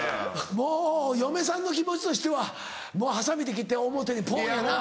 もう嫁さんの気持ちとしてはもうハサミで切って表にポンやな。